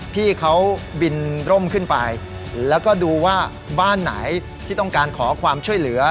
พี่เขาบินร่มขึ้นไปแล้วก็ดูว่าบ้านไหนที่ต้องการขอความช่วยเหลือ